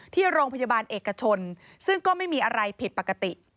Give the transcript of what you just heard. ที่โรงพยาบาลเอกชนซึ่งก็ไม่มีอะไรผิดปกติ